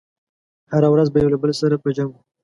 هره ورځ به يو له بل سره په جنګ و.